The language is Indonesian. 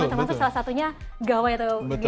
maksud maksud salah satunya gawai atau gadget ya